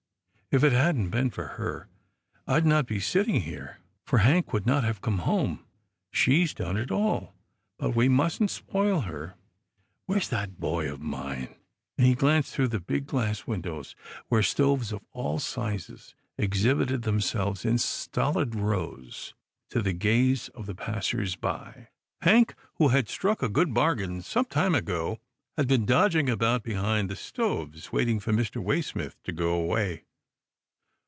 If it hadn't been for her, I'd not be sitting here, for Hank would not have come home. She's done it all, but we mustn't spoil her — where's that boy of mine ?" and he glanced through the big glass windows, where stoves of all sizes exhibited them selves in stolid rows to the gaze of passers by. 142 'TILDA JANE'S ORPHANS Hank, who had struck a good bargain some time ago, had been dodging about behind the stoves, waiting for Mr. Waysmith to go away.